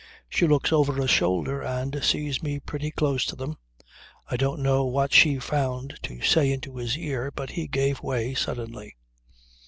She looks over her shoulder, and sees me pretty close to them. I don't know what she found to say into his ear, but he gave way suddenly.